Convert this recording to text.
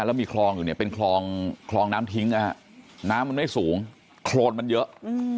แล้วมีคลองอยู่เนี่ยเป็นคลองคลองน้ำทิ้งนะฮะน้ำมันไม่สูงโครนมันเยอะ